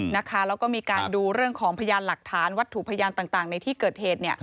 แล้วก็มีการดูเรื่องของพยานหลักฐานวัตถุพยานต่างในที่เกิดเหตุ